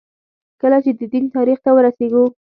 کله چې د دین تاریخ ته وررسېږو.